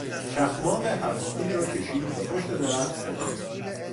چخماق هفتتیر را کشید و پشت درخت پنهان شد.